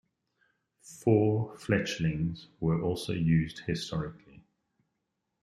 Four fletchings were also used historically.